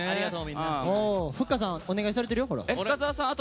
ふっかさんお願いされてるよ。